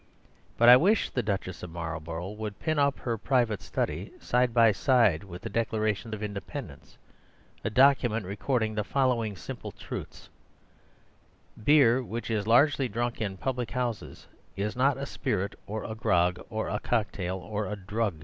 But I wish the Duchess of Marlborough would pin up in her private study, side by side with the Declaration of Independence, a document recording the following simple truths: (1) Beer, which is largely drunk in public houses, is not a spirit or a grog or a cocktail or a drug.